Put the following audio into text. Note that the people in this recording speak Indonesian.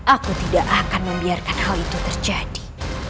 aku tidak akan membiarkan hal itu terjadi